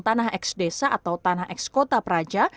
tanah eks desa atau tanah eks kota praja